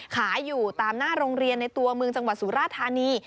ขายอยู่ตามหน้าโรงเรียนในตัวเมืองจังหวัดสุราธานี